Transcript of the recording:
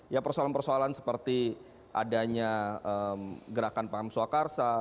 ya persoalan persoalan seperti adanya gerakan paham swakarsa